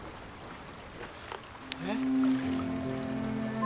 えっ？